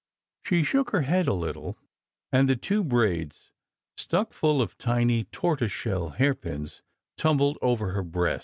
She shook her head a little, and the two braids, stuck full of tiny tortoise shell hairpins, tumbled over her breast.